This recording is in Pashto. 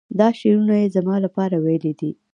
دا شعرونه یې زما لپاره ویلي دي.